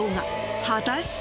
果たして？